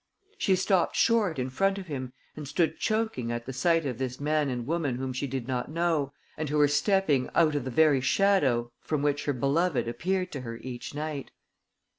She stopped short in front of him and stood choking at the sight of this man and woman whom she did not know and who were stepping out of the very shadow from which her beloved appeared to her each night.